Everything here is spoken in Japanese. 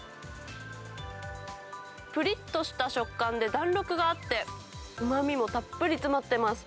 ぷりっとした食感で弾力があって、うまみもたっぷり詰まってます。